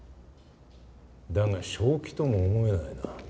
だが正気とも思えないな。